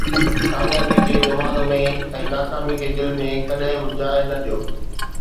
ڪاميابي کي دماغ ۾۽ ناڪامي کي دل ۾ ڪڏهن به جاءِ نه ڏيو